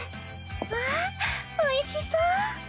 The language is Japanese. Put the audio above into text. わあおいしそう。